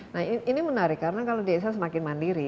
nah ini menarik karena kalau desa semakin mandiri